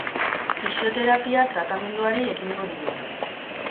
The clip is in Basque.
Fisioterapia tratamenduari ekingo dio.